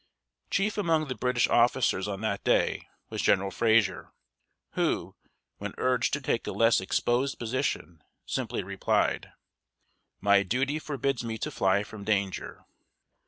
Chief among the British officers on that day was General Fra´ser, who, when urged to take a less exposed position, simply replied: "My duty forbids me to fly from danger."